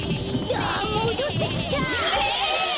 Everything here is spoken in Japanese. だあもどってきた！